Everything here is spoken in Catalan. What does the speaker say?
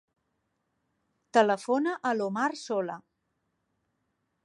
Telefona a l'Omar Sola.